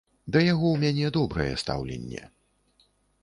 Да яго ў мяне добрае стаўленне.